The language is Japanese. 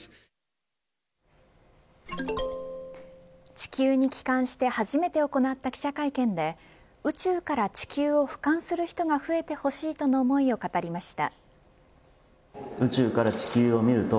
地球に帰還して初めて行った記者会見で宇宙から地球を俯瞰する人が増えてほしいとの思いを語りました。